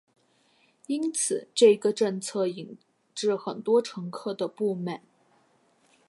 因此这个政策引致很多乘客的不满。